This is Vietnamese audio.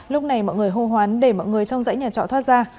lúc này mọi người hô hoán để mọi người trong dãy nhà trọ thoát ra